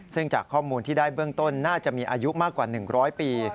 ซึ่งจากข้อมูลที่ได้เบื้องต้นน่าจะมีอายุมากกว่า๑๐๐ปี